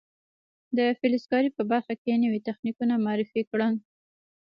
د فلز کارۍ په برخه کې نوي تخنیکونه معرفي کړل.